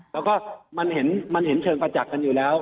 แล้วก็มันเห็นเชิงประจักษ์กันอยู่แล้ว